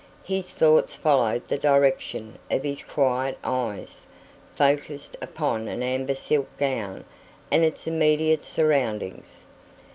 His thoughts followed the direction of his quiet eyes, focussed upon an amber silk gown and its immediate surroundings.